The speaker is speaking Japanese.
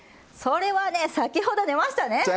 それはね先ほど出ましたね！